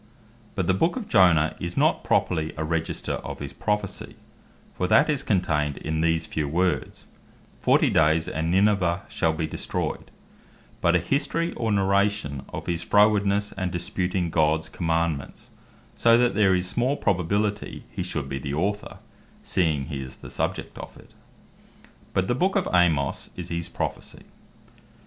But the Book of Jonas is not properly a Register of his Prophecy, (for that is contained in these few words, "Fourty dayes and Ninivy shall be destroyed,") but a History or Narration of his frowardenesse and disputing Gods commandements; so that there is small probability he should be the Author, seeing he is the subject of it. But the Book of Amos is his Prophecy.